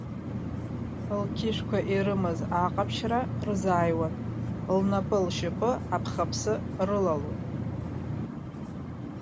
Лқьышәқәа ирымаз аҟаԥшьра рзааиуан, лнапы-лшьапы аԥхаԥсы рылалон.